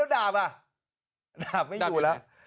ดาบคู่